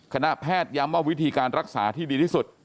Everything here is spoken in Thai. คณะแพทย้ำว่าวิธีการรักษาที่ดีที่สุด